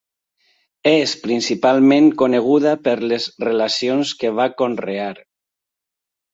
És principalment coneguda per les relacions que va conrear.